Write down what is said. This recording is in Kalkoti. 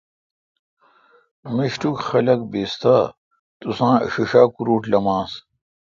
میݭٹوک۔ خلق بیس تہ، تساںݭیݭا کروٹ لمانس۔